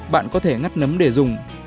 bạn có thể ngắt nấm để dùng